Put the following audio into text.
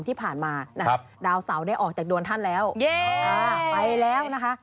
ที่ผ่านมาดาวเสาร์ได้ออกจากดวนธรรมแล้วไปแล้วนะคะ